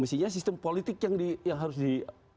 mestinya sistem politik yang harus di